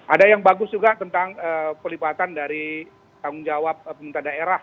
ada yang bagus juga tentang pelibatan dari tanggung jawab pemerintah daerah